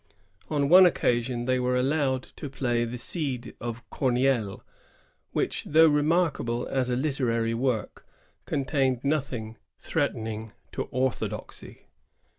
On one occa sion they were allowed to play the Cid of Comeille, which, though remarkable as a literary work, con tained nothing threatening to orthodoxy.